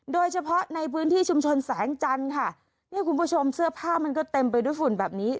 โดยเฉพาะในพื้นที่ชุมชนแสงจันทร์ค่ะเนี่ยคุณผู้ชมเสื้อผ้ามันก็เต็มไปด้วยฝุ่นแบบนี้